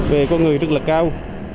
về con người rất là cao